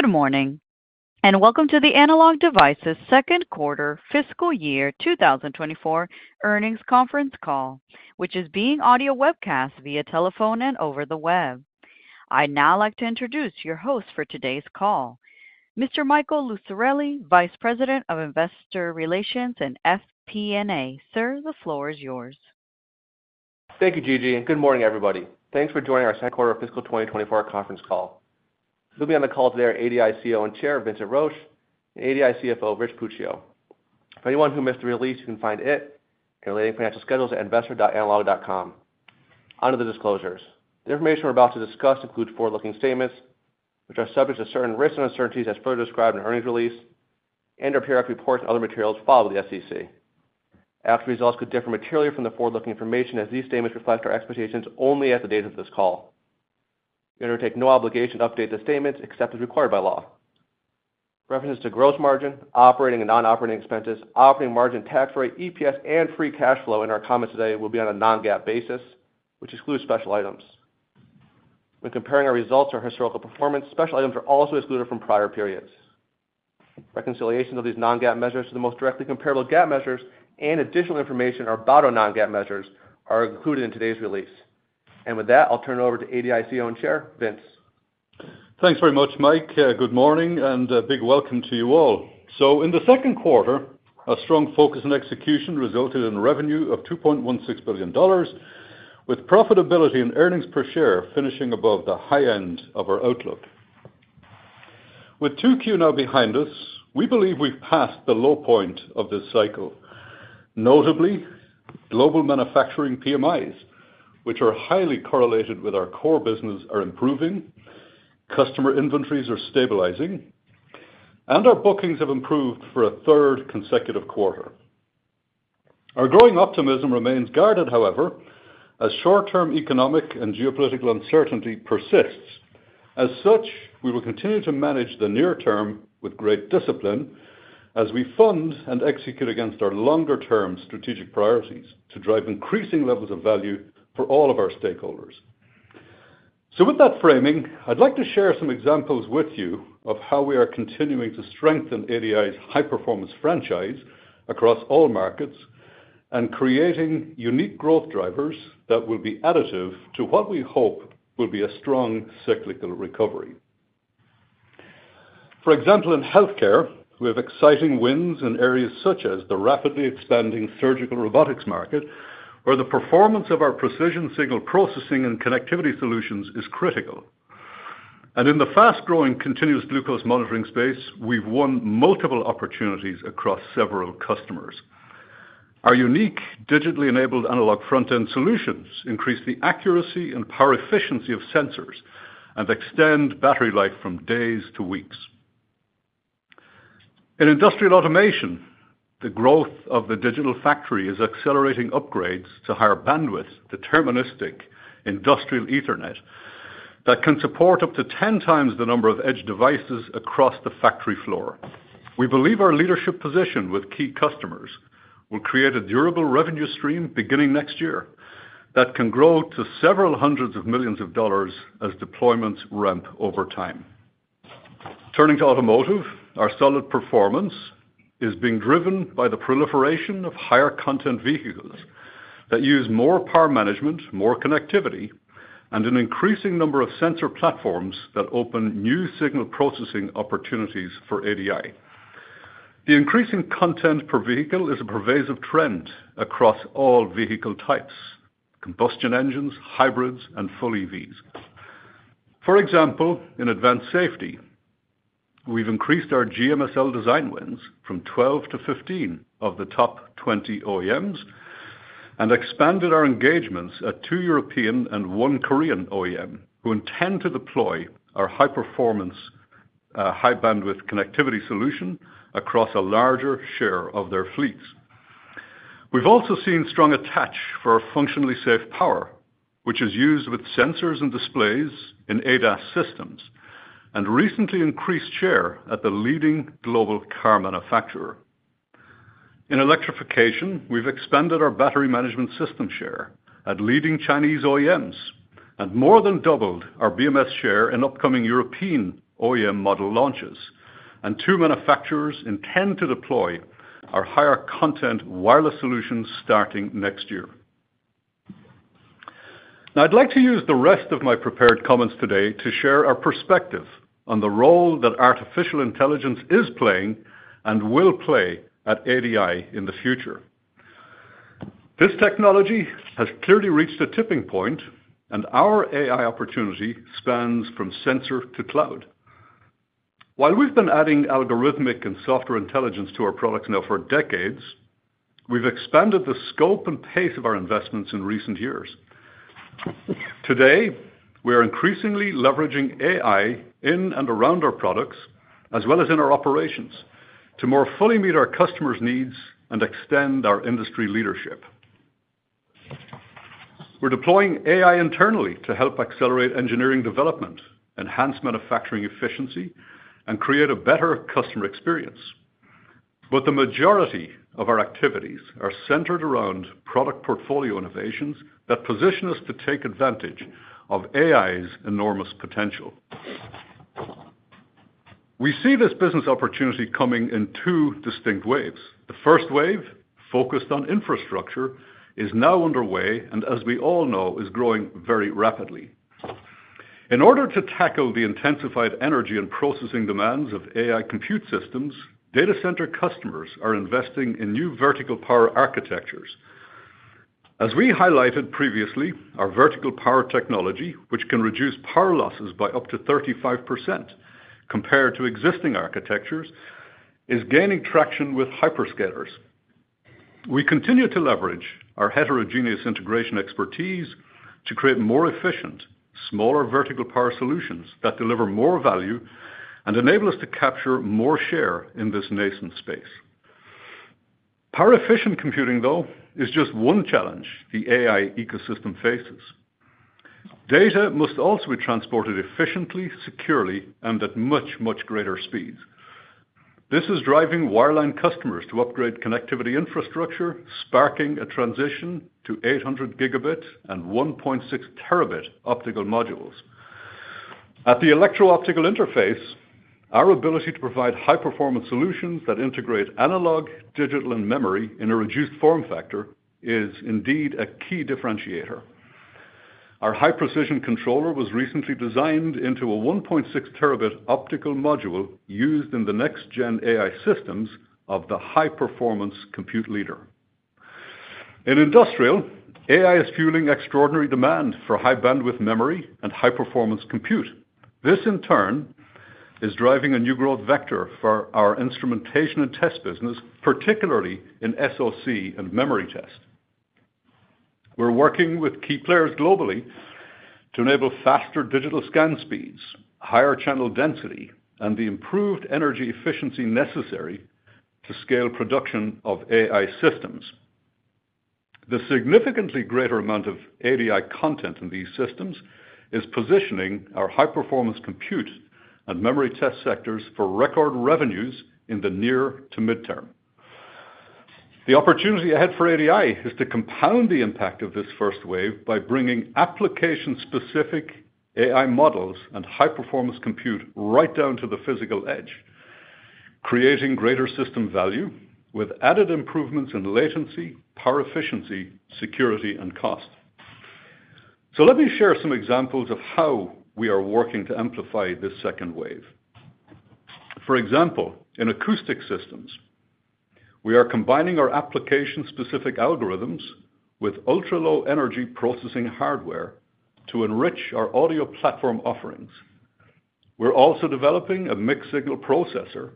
Good morning, and welcome to the Analog Devices' second quarter fiscal year 2024 earnings conference call, which is being audio webcast via telephone and over the web. I'd now like to introduce your host for today's call, Mr. Michael Lucarelli, Vice President of Investor Relations and FP&A. Sir, the floor is yours. Thank you, Gigi, and good morning, everybody. Thanks for joining our second quarter fiscal 2024 conference call. With me on the call today are ADI CEO and Chair, Vincent Roche, and ADI CFO, Rich Puccio. For anyone who missed the release, you can find it and related financial schedules at investor.analog.com. Onto the disclosures. The information we're about to discuss includes forward-looking statements, which are subject to certain risks and uncertainties as further described in earnings release and/or periodic reports and other materials filed with the SEC. Actual results could differ materially from the forward-looking information, as these statements reflect our expectations only at the date of this call. We undertake no obligation to update the statements except as required by law. References to gross margin, operating and non-operating expenses, operating margin, tax rate, EPS, and free cash flow in our comments today will be on a non-GAAP basis, which excludes special items. When comparing our results or historical performance, special items are also excluded from prior periods. Reconciliation of these non-GAAP measures to the most directly comparable GAAP measures and additional information about our non-GAAP measures are included in today's release. With that, I'll turn it over to ADI CEO and Chair, Vince. Thanks very much, Mike. Good morning, and a big welcome to you all. So in the second quarter, a strong focus on execution resulted in revenue of $2.16 billion, with profitability and earnings per share finishing above the high end of our outlook. With 2Q now behind us, we believe we've passed the low point of this cycle. Notably, global manufacturing PMIs, which are highly correlated with our core business, are improving, customer inventories are stabilizing, and our bookings have improved for a third consecutive quarter. Our growing optimism remains guarded, however, as short-term economic and geopolitical uncertainty persists. As such, we will continue to manage the near term with great discipline as we fund and execute against our longer-term strategic priorities to drive increasing levels of value for all of our stakeholders. With that framing, I'd like to share some examples with you of how we are continuing to strengthen ADI's high-performance franchise across all markets and creating unique growth drivers that will be additive to what we hope will be a strong cyclical recovery. For example, in healthcare, we have exciting wins in areas such as the rapidly expanding surgical robotics market, where the performance of our precision signal processing and connectivity solutions is critical. In the fast-growing continuous glucose monitoring space, we've won multiple opportunities across several customers. Our unique digitally enabled analog front-end solutions increase the accuracy and power efficiency of sensors and extend battery life from days to weeks. In industrial automation, the growth of the Digital Factory is accelerating upgrades to higher bandwidth, deterministic Industrial Ethernet that can support up to 10 times the number of edge devices across the factory floor. We believe our leadership position with key customers will create a durable revenue stream beginning next year that can grow to several hundred million dollars as deployments ramp over time. Turning to automotive, our solid performance is being driven by the proliferation of higher content vehicles that use more power management, more connectivity, and an increasing number of sensor platforms that open new signal processing opportunities for ADI. The increasing content per vehicle is a pervasive trend across all vehicle types, combustion engines, hybrids, and full EVs. For example, in advanced safety, we've increased our GMSL design wins from 12 to 15 of the top 20 OEMs and expanded our engagements at two European and one Korean OEM, who intend to deploy our high-performance, high-bandwidth connectivity solution across a larger share of their fleets. We've also seen strong attach for functionally safe power, which is used with sensors and displays in ADAS systems, and recently increased share at the leading global car manufacturer. In electrification, we've expanded our battery management system share at leading Chinese OEMs and more than doubled our BMS share in upcoming European OEM model launches, and two manufacturers intend to deploy our higher content wireless solutions starting next year. Now, I'd like to use the rest of my prepared comments today to share our perspective on the role that artificial intelligence is playing and will play at ADI in the future. This technology has clearly reached a tipping point, and our AI opportunity spans from sensor to cloud. While we've been adding algorithmic and software intelligence to our products now for decades, we've expanded the scope and pace of our investments in recent years. Today, we are increasingly leveraging AI in and around our products, as well as in our operations, to more fully meet our customers' needs and extend our industry leadership. We're deploying AI internally to help accelerate engineering development, enhance manufacturing efficiency, and create a better customer experience.... But the majority of our activities are centered around product portfolio innovations that position us to take advantage of AI's enormous potential. We see this business opportunity coming in two distinct waves. The first wave, focused on infrastructure, is now underway, and as we all know, is growing very rapidly. In order to tackle the intensified energy and processing demands of AI compute systems, data center customers are investing in new vertical power architectures. As we highlighted previously, our vertical power technology, which can reduce power losses by up to 35% compared to existing architectures, is gaining traction with hyperscalers. We continue to leverage our heterogeneous integration expertise to create more efficient, smaller vertical power solutions that deliver more value and enable us to capture more share in this nascent space. Power efficient computing, though, is just one challenge the AI ecosystem faces. Data must also be transported efficiently, securely, and at much, much greater speeds. This is driving wireline customers to upgrade connectivity infrastructure, sparking a transition to 800-gigabit and 1.6-terabit optical modules. At the electro-optical interface, our ability to provide high-performance solutions that integrate analog, digital, and memory in a reduced form factor is indeed a key differentiator. Our high-precision controller was recently designed into a 1.6-terabit optical module used in the next-gen AI systems of the high-performance compute leader. In industrial, AI is fueling extraordinary demand for high-bandwidth memory and high-performance compute. This, in turn, is driving a new growth vector for our instrumentation and test business, particularly in SoC and memory test. We're working with key players globally to enable faster digital scan speeds, higher channel density, and the improved energy efficiency necessary to scale production of AI systems. The significantly greater amount of ADI content in these systems is positioning our high-performance compute and memory test sectors for record revenues in the near to midterm. The opportunity ahead for ADI is to compound the impact of this first wave by bringing application-specific AI models and high-performance compute right down to the physical edge, creating greater system value with added improvements in latency, power efficiency, security, and cost. So let me share some examples of how we are working to amplify this second wave. For example, in acoustic systems, we are combining our application-specific algorithms with ultra-low energy processing hardware to enrich our audio platform offerings. We're also developing a mixed-signal processor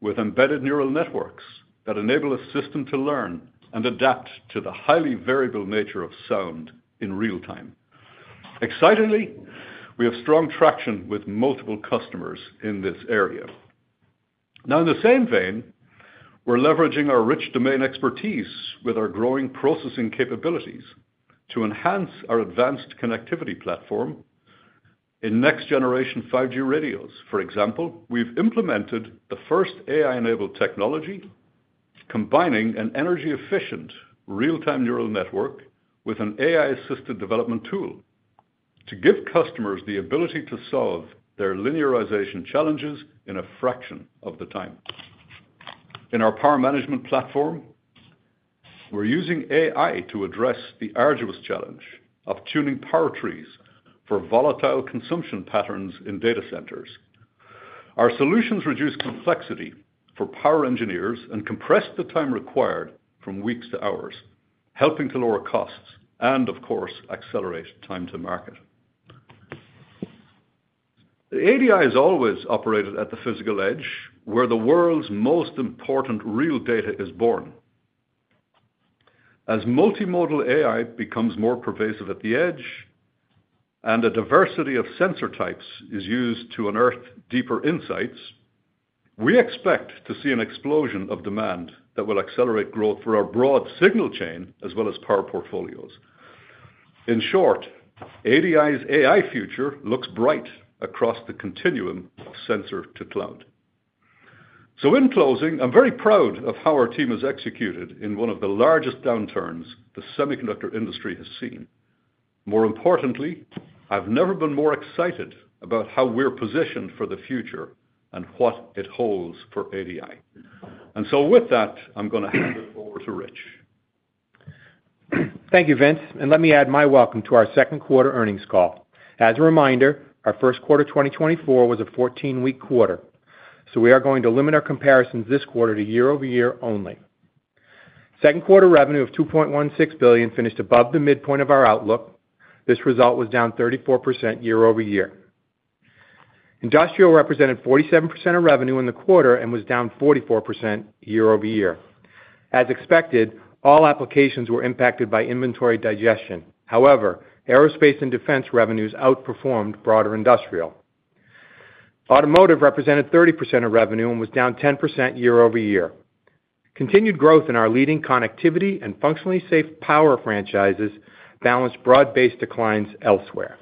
with embedded neural networks that enable a system to learn and adapt to the highly variable nature of sound in real time. Excitingly, we have strong traction with multiple customers in this area. Now, in the same vein, we're leveraging our rich domain expertise with our growing processing capabilities to enhance our advanced connectivity platform. In next-generation 5G radios, for example, we've implemented the first AI-enabled technology, combining an energy-efficient real-time neural network with an AI-assisted development tool, to give customers the ability to solve their linearization challenges in a fraction of the time. In our power management platform, we're using AI to address the arduous challenge of tuning power trees for volatile consumption patterns in data centers. Our solutions reduce complexity for power engineers and compress the time required from weeks to hours, helping to lower costs and, of course, accelerate time to market. ADI has always operated at the physical edge, where the world's most important real data is born. As multimodal AI becomes more pervasive at the edge and a diversity of sensor types is used to unearth deeper insights, we expect to see an explosion of demand that will accelerate growth for our broad signal chain as well as power portfolios. In short, ADI's AI future looks bright across the continuum of sensor to cloud. So in closing, I'm very proud of how our team has executed in one of the largest downturns the semiconductor industry has seen. More importantly, I've never been more excited about how we're positioned for the future and what it holds for ADI. With that, I'm going to hand it over to Rich. Thank you, Vince, and let me add my welcome to our second quarter earnings call. As a reminder, our first quarter, 2024, was a 14-week quarter, so we are going to limit our comparisons this quarter to year-over-year only. Second quarter revenue of $2.16 billion finished above the midpoint of our outlook. This result was down 34% year-over-year. Industrial represented 47% of revenue in the quarter and was down 44% year-over-year. As expected, all applications were impacted by inventory digestion. However, aerospace and defense revenues outperformed broader industrial. Automotive represented 30% of revenue and was down 10% year-over-year. Continued growth in our leading connectivity and functionally safe power franchises balanced broad-based declines elsewhere....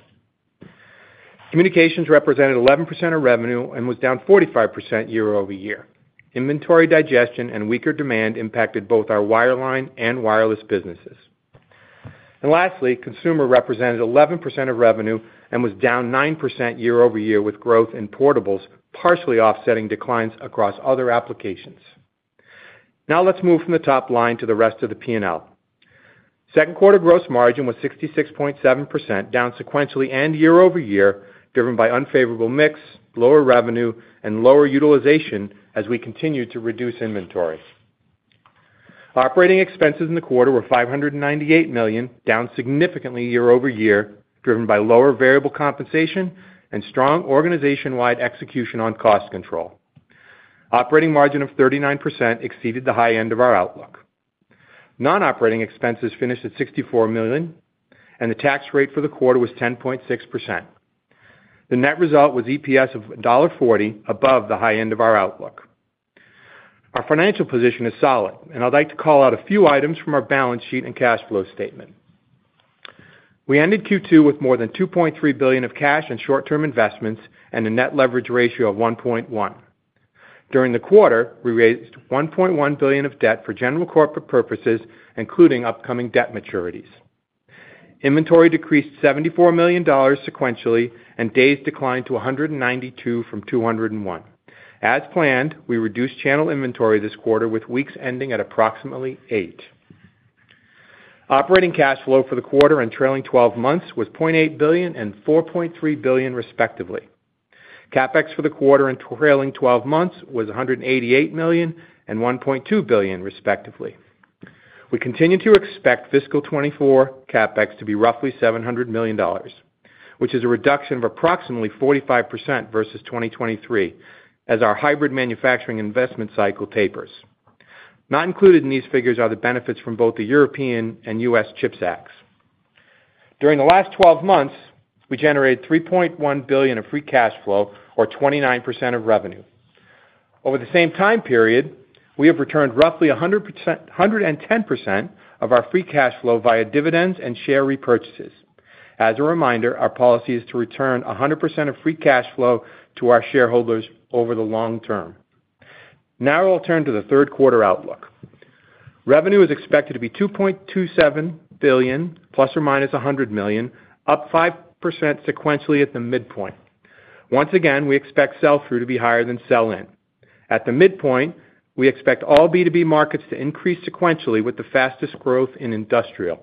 Communications represented 11% of revenue and was down 45% year-over-year. Inventory digestion and weaker demand impacted both our wireline and wireless businesses. Lastly, consumer represented 11% of revenue and was down 9% year-over-year, with growth in portables, partially offsetting declines across other applications. Now let's move from the top line to the rest of the P&L. Second quarter gross margin was 66.7%, down sequentially and year-over-year, driven by unfavorable mix, lower revenue, and lower utilization as we continued to reduce inventory. Operating expenses in the quarter were $598 million, down significantly year-over-year, driven by lower variable compensation and strong organization-wide execution on cost control. Operating margin of 39% exceeded the high end of our outlook. Non-operating expenses finished at $64 million, and the tax rate for the quarter was 10.6%. The net result was EPS of $1.40, above the high end of our outlook. Our financial position is solid, and I'd like to call out a few items from our balance sheet and cash flow statement. We ended Q2 with more than $2.3 billion of cash and short-term investments and a net leverage ratio of 1.1. During the quarter, we raised $1.1 billion of debt for general corporate purposes, including upcoming debt maturities. Inventory decreased $74 million sequentially, and days declined to 192 from 201. As planned, we reduced channel inventory this quarter, with weeks ending at approximately 8. Operating cash flow for the quarter and trailing twelve months was $0.8 billion and $4.3 billion, respectively. CapEx for the quarter and trailing twelve months was $188 million and $1.2 billion, respectively. We continue to expect fiscal 2024 CapEx to be roughly $700 million, which is a reduction of approximately 45% versus 2023, as our hybrid manufacturing investment cycle tapers. Not included in these figures are the benefits from both the European and U.S. CHIPS Acts. During the last twelve months, we generated $3.1 billion of free cash flow, or 29% of revenue. Over the same time period, we have returned roughly 100%–110% of our free cash flow via dividends and share repurchases. As a reminder, our policy is to return 100% of free cash flow to our shareholders over the long term. Now I'll turn to the third quarter outlook. Revenue is expected to be $2.27 billion ±$100 million, up 5% sequentially at the midpoint. Once again, we expect sell-through to be higher than sell-in. At the midpoint, we expect all B2B markets to increase sequentially with the fastest growth in industrial,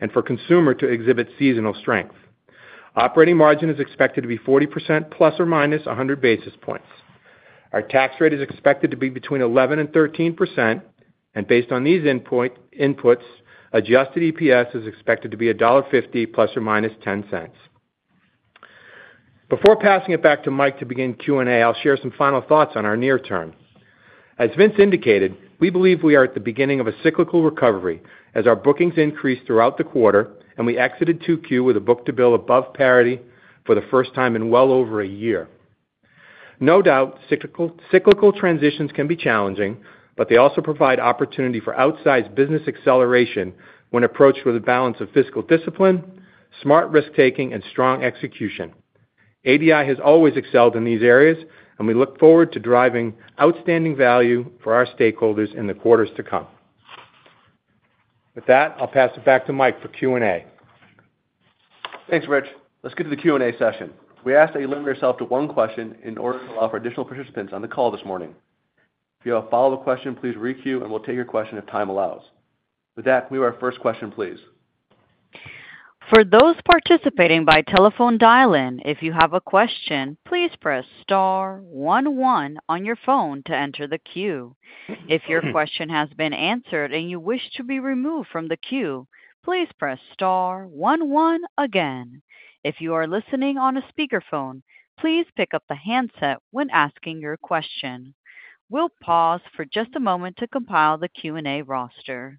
and for consumer to exhibit seasonal strength. Operating margin is expected to be 40% ±100 basis points. Our tax rate is expected to be between 11% and 13%, and based on these inputs, adjusted EPS is expected to be $1.50 ±$0.10. Before passing it back to Mike to begin Q&A, I'll share some final thoughts on our near term. As Vince indicated, we believe we are at the beginning of a cyclical recovery as our bookings increased throughout the quarter, and we exited 2Q with a book-to-bill above parity for the first time in well over a year. No doubt, cyclical, cyclical transitions can be challenging, but they also provide opportunity for outsized business acceleration when approached with a balance of fiscal discipline, smart risk-taking, and strong execution. ADI has always excelled in these areas, and we look forward to driving outstanding value for our stakeholders in the quarters to come. With that, I'll pass it back to Mike for Q&A. Thanks, Rich. Let's get to the Q&A session. We ask that you limit yourself to one question in order to allow for additional participants on the call this morning. If you have a follow-up question, please re-queue, and we'll take your question if time allows. With that, we go to our first question, please. For those participating by telephone dial-in, if you have a question, please press star one one on your phone to enter the queue. If your question has been answered and you wish to be removed from the queue, please press star one one again. If you are listening on a speakerphone, please pick up the handset when asking your question. We'll pause for just a moment to compile the Q&A roster.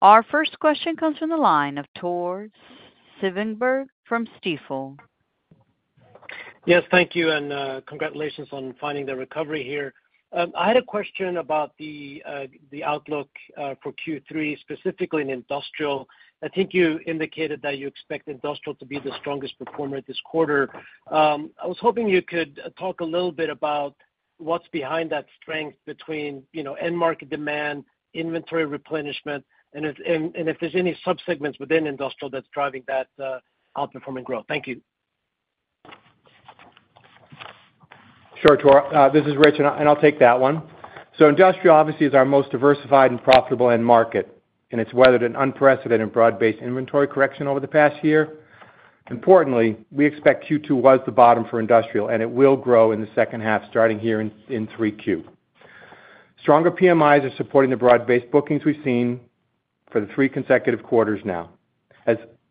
Our first question comes from the line of Tore Svanberg from Stifel. Yes, thank you, and congratulations on finding the recovery here. I had a question about the outlook for Q3, specifically in industrial. I think you indicated that you expect industrial to be the strongest performer this quarter. I was hoping you could talk a little bit about what's behind that strength between, you know, end market demand, inventory replenishment, and if there's any subsegments within industrial that's driving that outperforming growth. Thank you. Sure, Tore. This is Rich, and I'll take that one. So industrial, obviously, is our most diversified and profitable end market, and it's weathered an unprecedented broad-based inventory correction over the past year. Importantly, we expect Q2 was the bottom for industrial, and it will grow in the second half, starting here in 3Q. Stronger PMIs are supporting the broad-based bookings we've seen for the three consecutive quarters now.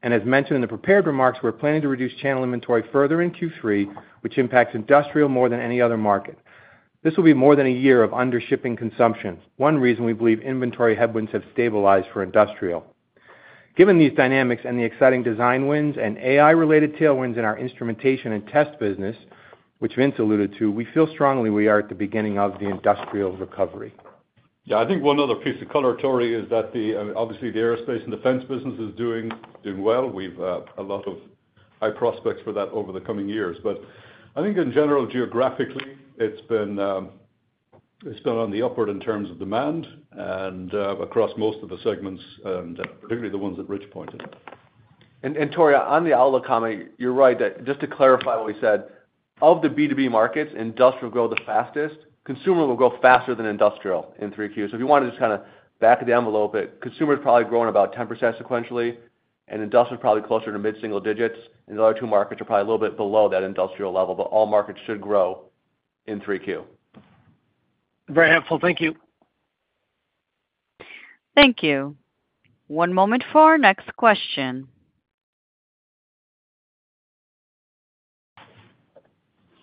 And as mentioned in the prepared remarks, we're planning to reduce channel inventory further in Q3, which impacts industrial more than any other market. This will be more than a year of under shipping consumption. One reason we believe inventory headwinds have stabilized for industrial. Given these dynamics and the exciting design wins and AI-related tailwinds in our instrumentation and test business, which Vince alluded to, we feel strongly we are at the beginning of the industrial recovery. Yeah, I think one other piece of color, Tore, is that the obviously, the aerospace and defense business is doing well. We've a lot of high prospects for that over the coming years. But I think in general, geographically, it's been on the upward in terms of demand, and across most of the segments, particularly the ones that Rich pointed out. Tore, on the outlook comment, you're right, that just to clarify what we said, of the B2B markets, industrial will grow the fastest, consumer will grow faster than industrial in 3Q. So if you wanna just kinda back it down a little bit, consumer is probably growing about 10% sequentially, and industrial is probably closer to mid-single digits, and the other two markets are probably a little bit below that industrial level, but all markets should grow in 3Q. Very helpful. Thank you. Thank you. One moment for our next question.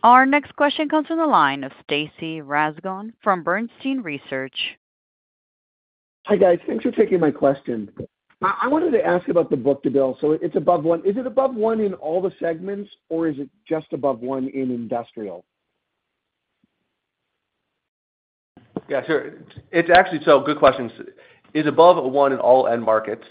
Our next question comes from the line of Stacy Rasgon from Bernstein Research. Hi, guys. Thanks for taking my question. I wanted to ask about the book-to-bill. So it's above 1. Is it above 1 in all the segments, or is it just above 1 in industrial? Yeah, sure. It's actually. So good question. It's above one in all end markets.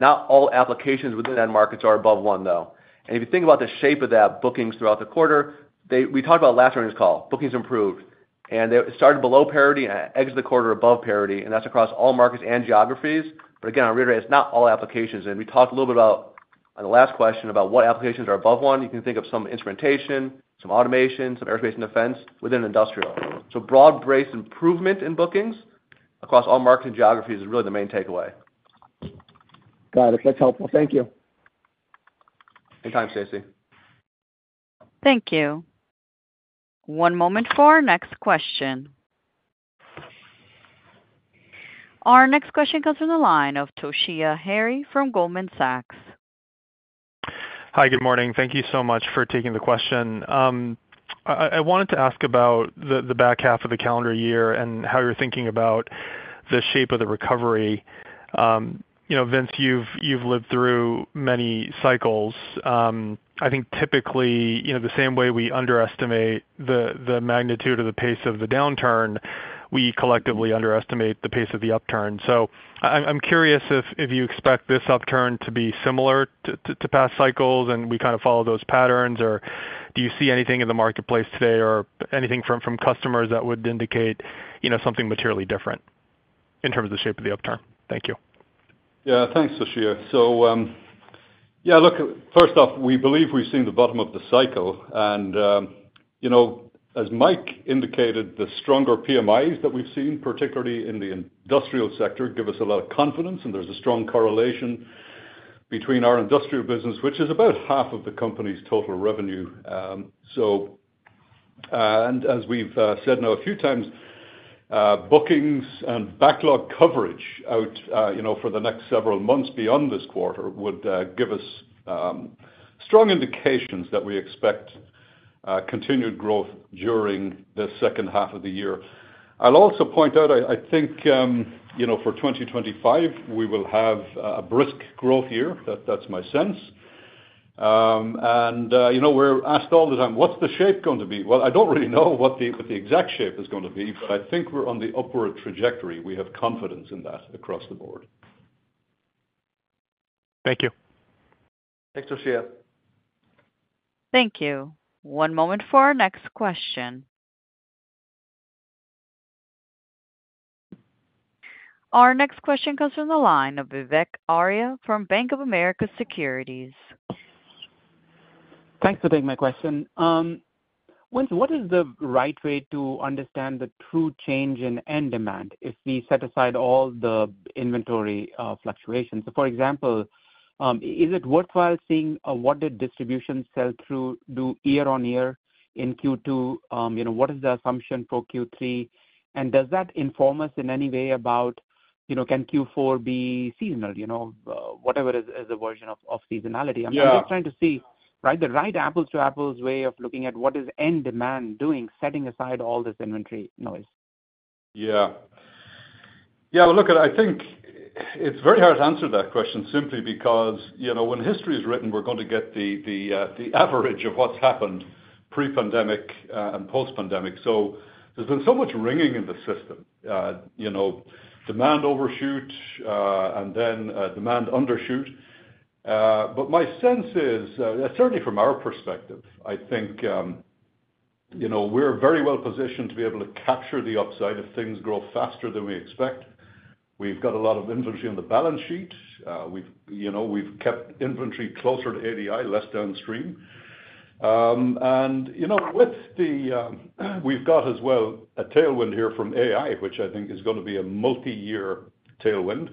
Not all applications within end markets are above one, though. And if you think about the shape of that, bookings throughout the quarter, we talked about last earnings call, bookings improved, and they started below parity and exit the quarter above parity, and that's across all markets and geographies. But again, I'll reiterate, it's not all applications. And we talked a little bit about, on the last question, about what applications are above one. You can think of some instrumentation, some automation, some aerospace and defense within industrial. So broad-based improvement in bookings across all markets and geographies is really the main takeaway. Got it. That's helpful. Thank you. Anytime, Stacy. Thank you. One moment for our next question. Our next question comes from the line of Toshiya Hari from Goldman Sachs. Hi, good morning. Thank you so much for taking the question. I wanted to ask about the back half of the calendar year and how you're thinking about the shape of the recovery. You know, Vince, you've lived through many cycles. I think typically, you know, the same way we underestimate the magnitude of the pace of the downturn, we collectively underestimate the pace of the upturn. So I'm curious if you expect this upturn to be similar to past cycles, and we kind of follow those patterns, or do you see anything in the marketplace today or anything from customers that would indicate, you know, something materially different in terms of the shape of the upturn? Thank you. Yeah. Thanks, Toshiya. So, yeah, look, first off, we believe we've seen the bottom of the cycle, and, you know, as Mike indicated, the stronger PMIs that we've seen, particularly in the industrial sector, give us a lot of confidence, and there's a strong correlation between our industrial business, which is about half of the company's total revenue. So, and as we've said now a few times, bookings and backlog coverage out, you know, for the next several months beyond this quarter, would give us strong indications that we expect continued growth during the second half of the year. I'll also point out, I think, you know, for 2025, we will have a brisk growth year. That's my sense. You know, we're asked all the time, "What's the shape going to be?" Well, I don't really know what the exact shape is going to be, but I think we're on the upward trajectory. We have confidence in that across the board. Thank you. Thanks, Toshiya. Thank you. One moment for our next question. Our next question comes from the line of Vivek Arya from Bank of America Securities. Thanks for taking my question. Vince, what is the right way to understand the true change in end demand if we set aside all the inventory, fluctuations? So, for example, is it worthwhile seeing, what did distribution sell through do year on year in Q2? You know, what is the assumption for Q3? And does that inform us in any way about, you know, can Q4 be seasonal? You know, whatever is, is a version of, of seasonality. Yeah. I'm just trying to see, right, the right apples to apples way of looking at what is end demand doing, setting aside all this inventory noise. Yeah. Yeah, look, I think it's very hard to answer that question simply because, you know, when history is written, we're going to get the average of what's happened pre-pandemic and post-pandemic. So there's been so much wringing in the system, you know, demand overshoot, and then demand undershoot. But my sense is, certainly from our perspective, I think, you know, we're very well positioned to be able to capture the upside if things grow faster than we expect. We've got a lot of inventory on the balance sheet. We've, you know, we've kept inventory closer to ADI, less downstream. And, you know, with the, we've got as well a tailwind here from AI, which I think is gonna be a multi-year tailwind.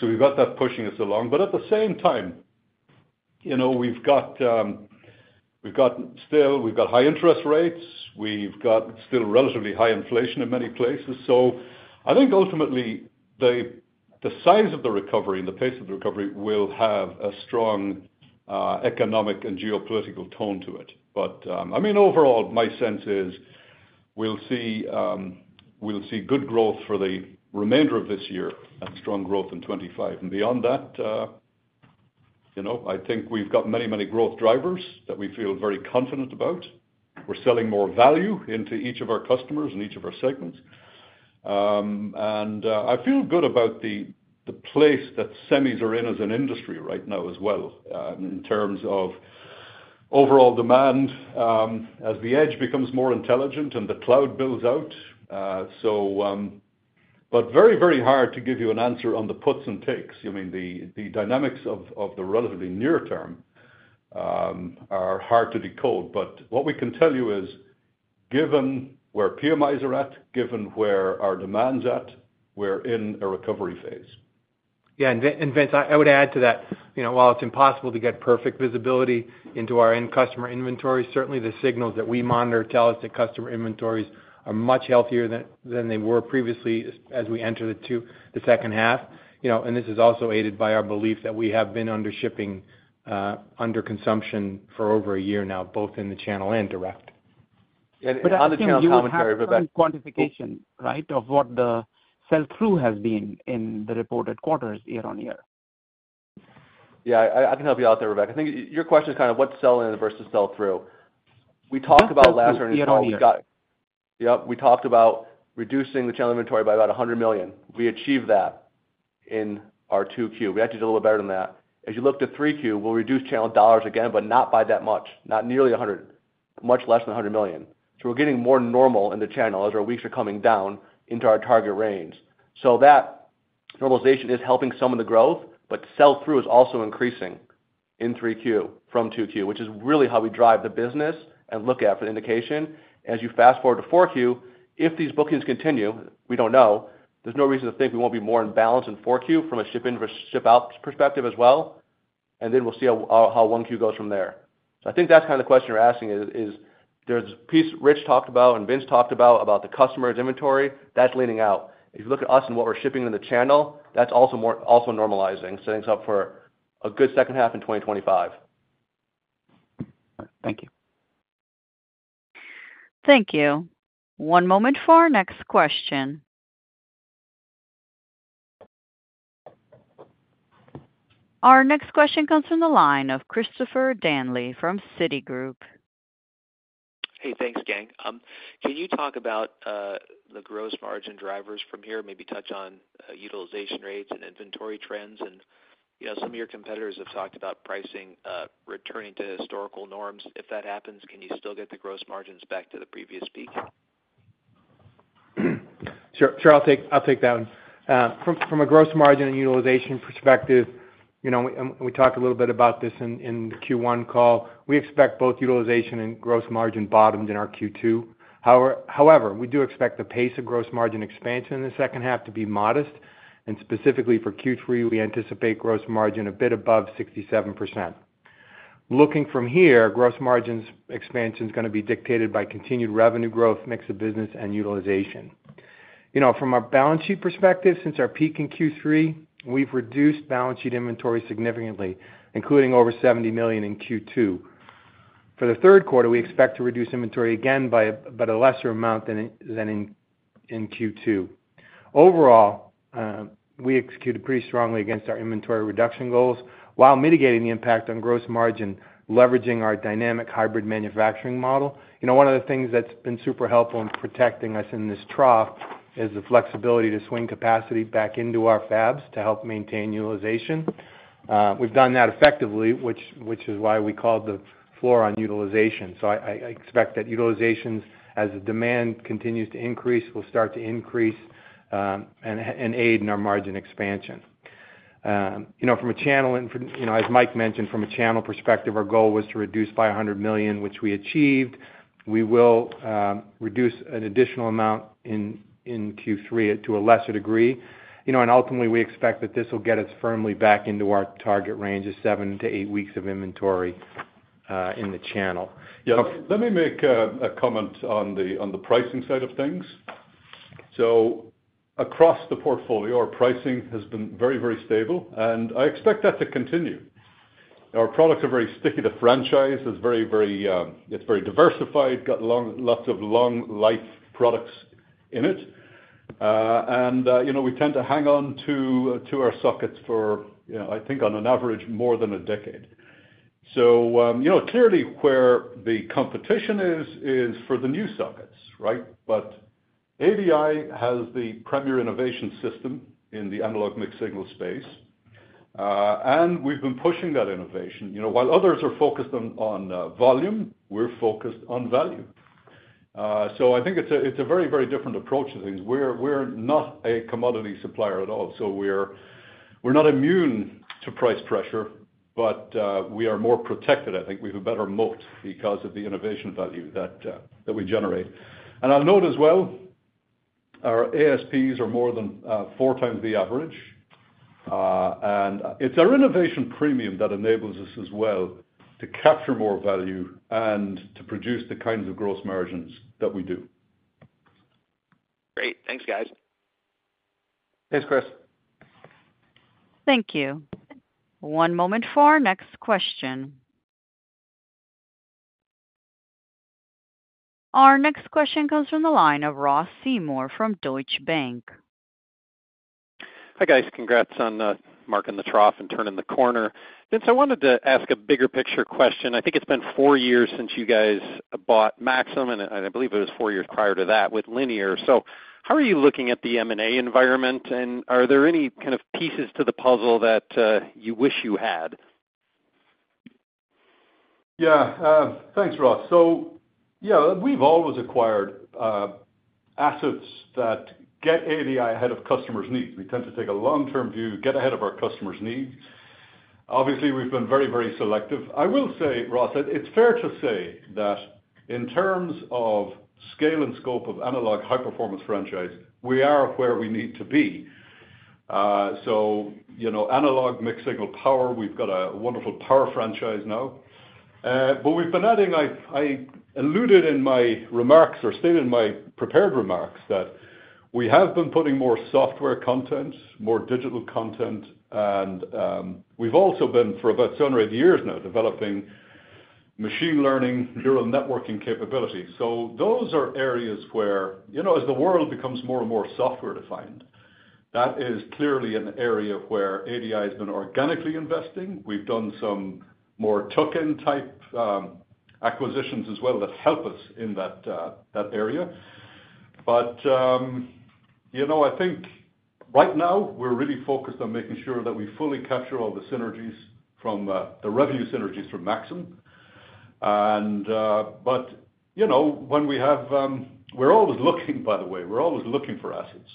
So we've got that pushing us along, but at the same time, you know, we've got high interest rates, we've got still relatively high inflation in many places. So I think ultimately, the size of the recovery and the pace of the recovery will have a strong economic and geopolitical tone to it. But I mean, overall, my sense is we'll see good growth for the remainder of this year and strong growth in 2025. And beyond that, you know, I think we've got many, many growth drivers that we feel very confident about. We're selling more value into each of our customers in each of our segments. I feel good about the place that semis are in as an industry right now as well, in terms of overall demand, as the edge becomes more intelligent and the cloud builds out. But very, very hard to give you an answer on the puts and takes. You mean, the dynamics of the relatively near term are hard to decode. But what we can tell you is, given where PMIs are at, given where our demand's at, we're in a recovery phase. Yeah, and Vince, I would add to that. You know, while it's impossible to get perfect visibility into our end customer inventory, certainly the signals that we monitor tell us that customer inventories are much healthier than they were previously as we enter the second half. You know, and this is also aided by our belief that we have been under shipping under consumption for over a year now, both in the channel and direct. I think you have some quantification, right, of what the sell-through has been in the reported quarters year-on-year? Yeah, I can help you out there, Vivek. I think your question is kind of what's sell-in versus sell-through. We talked about last earnings call. Yes, sell-through, year-over-year. We got yep, we talked about reducing the channel inventory by about $100 million. We achieved that in our 2Q. We actually did a little better than that. As you look to 3Q, we'll reduce channel dollars again, but not by that much, not nearly 100, much less than $100 million. So we're getting more normal in the channel as our weeks are coming down into our target range. So that normalization is helping some of the growth, but sell-through is also increasing in 3Q from 2Q, which is really how we drive the business and look at for an indication. As you fast forward to four Q, if these bookings continue, we don't know, there's no reason to think we won't be more in balance in four Q from a ship-in versus ship-out perspective as well, and then we'll see how one Q goes from there. So I think that's kind of the question you're asking is, there's a piece Rich talked about and Vince talked about, about the customer's inventory that's leaning out. If you look at us and what we're shipping in the channel, that's also more, also normalizing, setting us up for a good second half in 2025. Thank you. Thank you. One moment for our next question. Our next question comes from the line of Christopher Danely from Citigroup. Hey, thanks, gang. Can you talk about the gross margin drivers from here? Maybe touch on utilization rates and inventory trends, and, you know, some of your competitors have talked about pricing returning to historical norms. If that happens, can you still get the gross margins back to the previous peak? Sure, sure, I'll take, I'll take that one. From a gross margin and utilization perspective, you know, and we talked a little bit about this in the Q1 call. We expect both utilization and gross margin bottomed in our Q2. However, we do expect the pace of gross margin expansion in the second half to be modest, and specifically for Q3, we anticipate gross margin a bit above 67%. Looking from here, gross margins expansion is gonna be dictated by continued revenue growth, mix of business, and utilization. You know, from a balance sheet perspective, since our peak in Q3, we've reduced balance sheet inventory significantly, including over $70 million in Q2. For the third quarter, we expect to reduce inventory again by a lesser amount than in Q2. Overall, we executed pretty strongly against our inventory reduction goals while mitigating the impact on gross margin, leveraging our dynamic hybrid manufacturing model. You know, one of the things that's been super helpful in protecting us in this trough is the flexibility to swing capacity back into our fabs to help maintain utilization. We've done that effectively, which is why we called the floor on utilization. So I expect that utilization, as the demand continues to increase, will start to increase and aid in our margin expansion. You know, as Mike mentioned, from a channel perspective, our goal was to reduce by $100 million, which we achieved. We will reduce an additional amount in Q3 to a lesser degree. You know, and ultimately, we expect that this will get us firmly back into our target range of 7-8 weeks of inventory, in the channel. Yeah, let me make a comment on the pricing side of things. So across the portfolio, our pricing has been very, very stable, and I expect that to continue. Our products are very sticky. The franchise is very, very, it's very diversified, got lots of long life products in it. And, you know, we tend to hang on to our sockets for, you know, I think on average, more than a decade. So, you know, clearly, where the competition is, is for the new sockets, right? But ADI has the premier innovation system in the analog mixed-signal space, and we've been pushing that innovation. You know, while others are focused on, on volume, we're focused on value. So I think it's a very, very different approach to things. We're not a commodity supplier at all, so we're not immune to price pressure, but we are more protected. I think we have a better moat because of the innovation value that we generate. And I'll note as well, our ASPs are more than four times the average. And it's our innovation premium that enables us as well to capture more value and to produce the kinds of gross margins that we do. Great. Thanks, guys. Thanks, Chris. Thank you. One moment for our next question. Our next question comes from the line of Ross Seymore from Deutsche Bank. Hi, guys. Congrats on marking the trough and turning the corner. Vince, I wanted to ask a bigger picture question. I think it's been four years since you guys bought Maxim, and I, I believe it was four years prior to that with Linear. So how are you looking at the M&A environment, and are there any kind of pieces to the puzzle that you wish you had? Yeah, thanks, Ross. So, yeah, we've always acquired, assets that get ADI ahead of customers' needs. We tend to take a long-term view, get ahead of our customers' needs. Obviously, we've been very, very selective. I will say, Ross, that it's fair to say that in terms of scale and scope of analog high-performance franchise, we are where we need to be. So, you know, analog, mixed-signal power, we've got a wonderful power franchise now. But we've been adding. I alluded in my remarks or stated in my prepared remarks that we have been putting more software content, more digital content, and, we've also been, for about 7 or 8 years now, developing machine learning, neural networking capabilities. So those are areas where, you know, as the world becomes more and more software-defined, that is clearly an area where ADI has been organically investing. We've done some more tuck-in type acquisitions as well that help us in that area. But, you know, I think right now we're really focused on making sure that we fully capture all the synergies from the revenue synergies from Maxim. And, but, you know, when we have -- we're always looking, by the way, we're always looking for assets.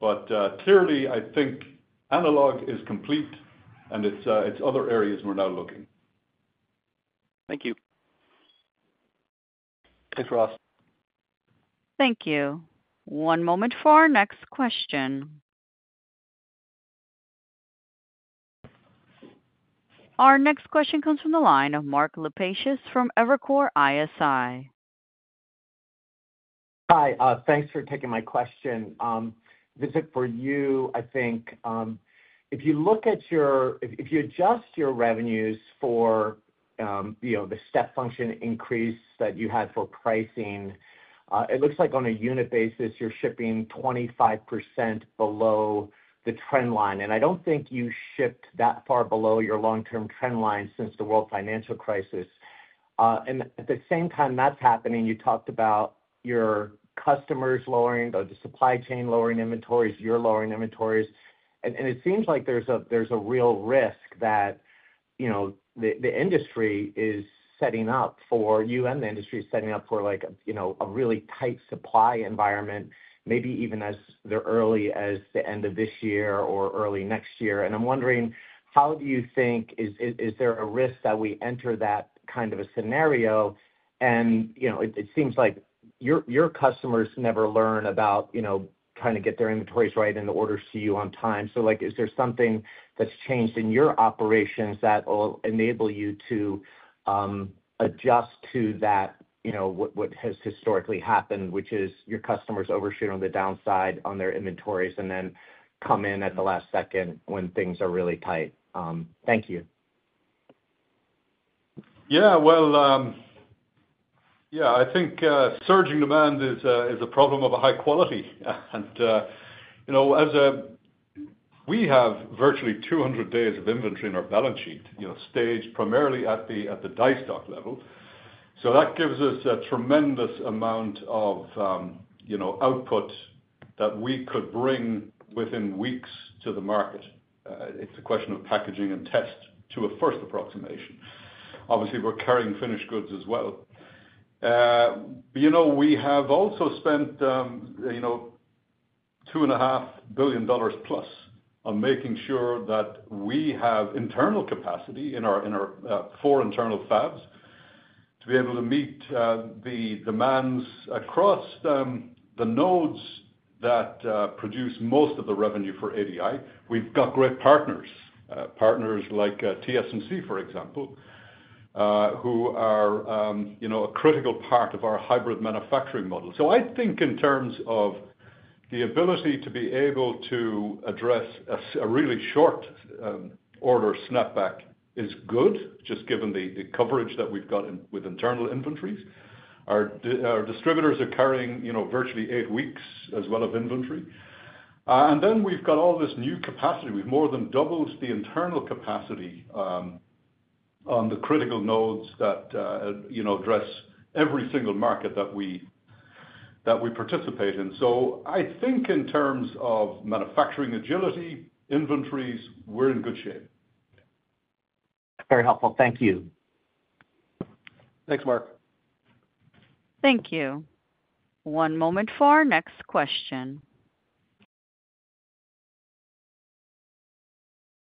But, clearly, I think analog is complete, and it's other areas we're now looking. Thank you. Thanks, Ross. Thank you. One moment for our next question. Our next question comes from the line of Mark Lipacis from Evercore ISI. Hi, thanks for taking my question. This is for you, I think. If you adjust your revenues for, you know, the step function increase that you had for pricing, it looks like on a unit basis, you're shipping 25% below the trend line, and I don't think you shipped that far below your long-term trend line since the world financial crisis. And at the same time that's happening, you talked about your customers lowering or the supply chain lowering inventories, you're lowering inventories. And it seems like there's a real risk that, you know, the industry is setting up for you, and the industry is setting up for, like, you know, a really tight supply environment, maybe even as early as the end of this year or early next year. And I'm wondering, how do you think, is there a risk that we enter that kind of a scenario? And, you know, it seems like your customers never learn about, you know, trying to get their inventories right and the orders to you on time. So, like, is there something that's changed in your operations that will enable you to adjust to that, you know, what has historically happened, which is your customers overshoot on the downside on their inventories and then come in at the last second when things are really tight? Thank you. Yeah, well, yeah, I think surging demand is a problem of a high quality. And you know, as we have virtually 200 days of inventory in our balance sheet, you know, staged primarily at the die stock level. So that gives us a tremendous amount of you know output that we could bring within weeks to the market. It's a question of packaging and test to a first approximation. Obviously, we're carrying finished goods as well. You know, we have also spent you know $2.5 billion plus on making sure that we have internal capacity in our four internal fabs, to be able to meet the demands across the nodes that produce most of the revenue for ADI. We've got great partners, partners like TSMC, for example, who are, you know, a critical part of our hybrid manufacturing model. So I think in terms of the ability to be able to address a really short order snapback is good, just given the coverage that we've got in with internal inventories. Our distributors are carrying, you know, virtually eight weeks as well of inventory. And then we've got all this new capacity. We've more than doubled the internal capacity on the critical nodes that, you know, address every single market that we participate in. So I think in terms of manufacturing agility, inventories, we're in good shape. Very helpful. Thank you. Thanks, Mark. Thank you. One moment for our next question.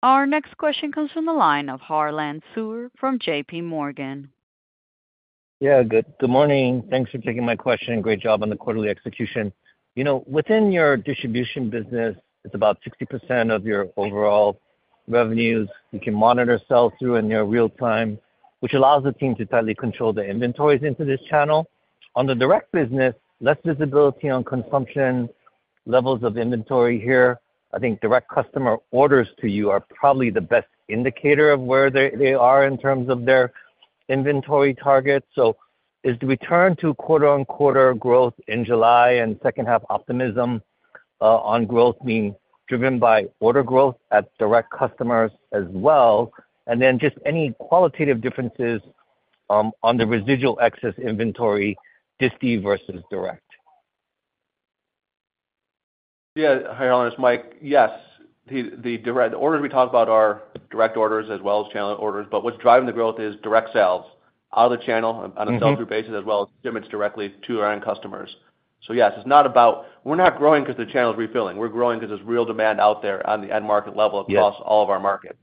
Our next question comes from the line of Harlan Sur from J.P. Morgan. Yeah, good morning. Thanks for taking my question, and great job on the quarterly execution. You know, within your distribution business, it's about 60% of your overall revenues. You can monitor sell-through in real time, which allows the team to tightly control the inventories into this channel. On the direct business, less visibility on consumption. levels of inventory here, I think direct customer orders to you are probably the best indicator of where they are in terms of their inventory targets. So is the return to quarter-on-quarter growth in July and second half optimism on growth being driven by order growth at direct customers as well? And then just any qualitative differences on the residual excess inventory, disti versus direct? Yeah. Hi, Harlan, it's Mike. Yes, the direct orders we talk about are direct orders as well as channel orders, but what's driving the growth is direct sales out of the channel on a sell-through basis, as well as shipments directly to our end customers. So yes, it's not about-- we're not growing because the channel is refilling. We're growing because there's real demand out there on the end market level- Yes. - across all of our markets.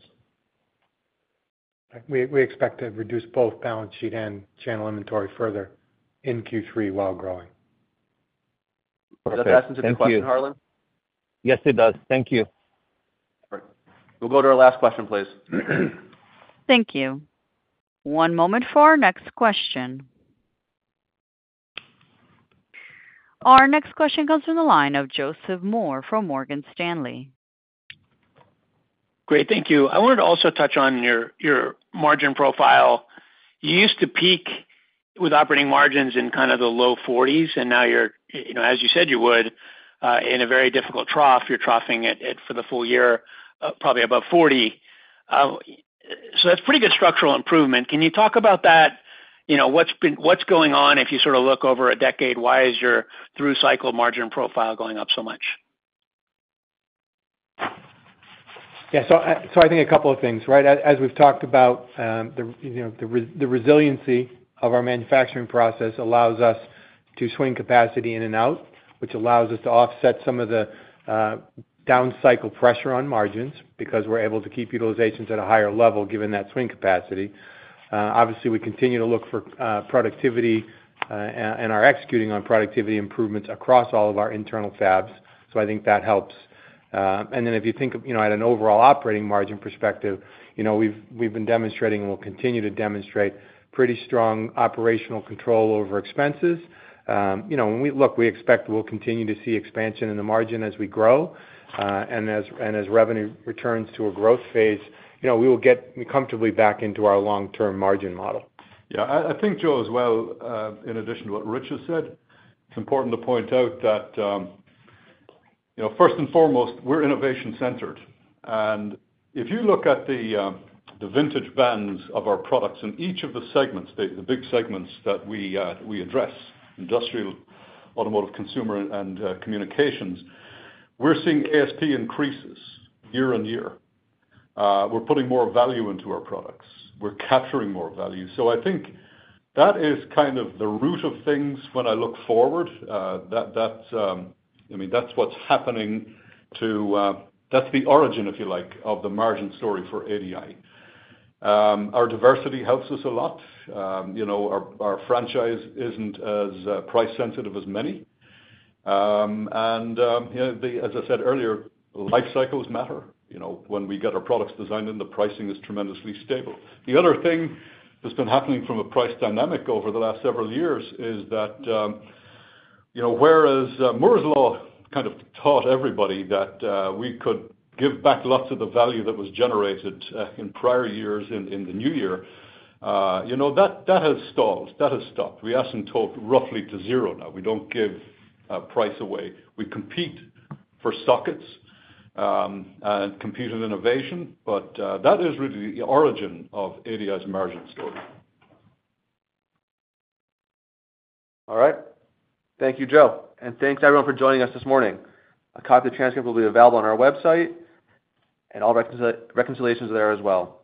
We expect to reduce both balance sheet and channel inventory further in Q3 while growing. Does that answer the question, Harlan? Yes, it does. Thank you. Great. We'll go to our last question, please. Thank you. One moment for our next question. Our next question comes from the line of Joseph Moore from Morgan Stanley. Great, thank you. I wanted to also touch on your margin profile. You used to peak with operating margins in kind of the low 40s, and now you're, you know, as you said you would, in a very difficult trough, you're troughing it for the full year, probably above 40%. So that's pretty good structural improvement. Can you talk about that? You know, what's been—what's going on, if you sort of look over a decade, why is your through-cycle margin profile going up so much? Yeah. So, I think a couple of things, right? As we've talked about, you know, the resiliency of our manufacturing process allows us to swing capacity in and out, which allows us to offset some of the downcycle pressure on margins, because we're able to keep utilizations at a higher level, given that swing capacity. Obviously, we continue to look for productivity and are executing on productivity improvements across all of our internal fabs. So I think that helps. And then if you think of, you know, at an overall operating margin perspective, you know, we've been demonstrating and will continue to demonstrate pretty strong operational control over expenses. You know, when we Look, we expect we'll continue to see expansion in the margin as we grow, and as revenue returns to a growth phase, you know, we will get comfortably back into our long-term margin model. Yeah, I think, Joe, as well, in addition to what Rich has said, it's important to point out that, you know, first and foremost, we're innovation-centered. And if you look at the vintage bands of our products in each of the segments, the big segments that we address, industrial, automotive, consumer, and communications, we're seeing ASP increases year on year. We're putting more value into our products. We're capturing more value. So I think that is kind of the root of things when I look forward, that, that's, I mean, that's what's happening to... That's the origin, if you like, of the margin story for ADI. Our diversity helps us a lot. You know, our franchise isn't as price-sensitive as many. And, you know, the, as I said earlier, life cycles matter. You know, when we get our products designed and the pricing is tremendously stable. The other thing that's been happening from a price dynamic over the last several years is that, you know, whereas, Moore's Law kind of taught everybody that, we could give back lots of the value that was generated, in prior years in, in the new year, you know, that, that has stalled, that has stopped. We estimate that to be roughly zero now All right. Thank you, Joe, and thanks, everyone, for joining us this morning. A copy of the transcript will be available on our website, and all reconciliations are there as well.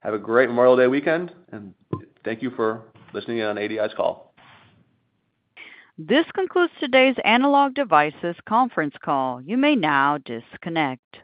Have a great Memorial Day weekend, and thank you for listening in on ADI's call. This concludes today's Analog Devices conference call. You may now disconnect.